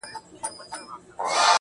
خو دوی ويله چي تر ټولو مسلمان ښه دی,